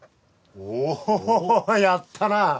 おやったな。